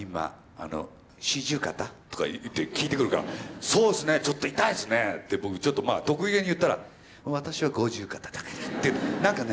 あの四十肩？」とか言って聞いてくるから「そうですねちょっと痛いですね」って僕ちょっとまあ得意げに言ったら「私は五十肩だから」ってなんかね。